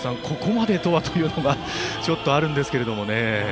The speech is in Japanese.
ここまでとはというのがちょっと、あるんですけどね。